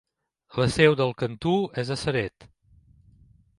La seu del cantó és a Ceret.